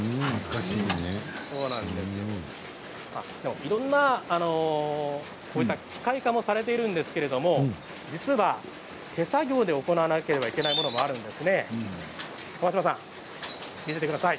いろんな機械化もされているんですけれども実は手作業で行わなければならないものもあるんです。